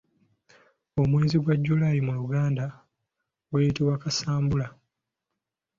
Omwezi gwa July mu luganda guyitibwa Kasambula.